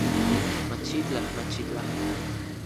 Machitlaj, machitlaj